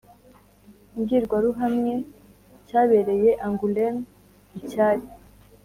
mbwirwaruhamwe cyabereye angoulême, icyari